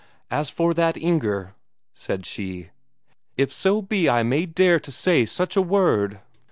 "As for that Inger," said she, "if so be I may dare to say such a word...."